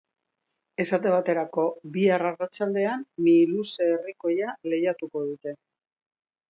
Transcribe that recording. Esate baterako, bihar arratsaldean Mihiluze herrikoia lehiatuko dute.